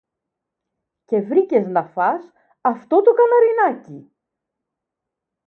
Και βρήκες να φας αυτό το καναρινάκι!